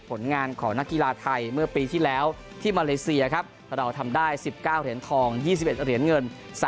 ผลงานของนักกีฬาไทยเมื่อปีที่แล้วที่มาเลเซียครับเราทำได้๑๙เหรียญทอง๒๑เหรียญเงิน